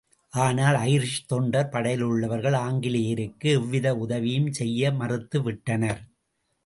ஆனால் ஐரிஷ் தொண்டர் படையிலுள்ளவர்கள் ஆங்கிலேயருக்கு எவ்வித உதவியும் செய்ய மறுத்துவிட்டனர்.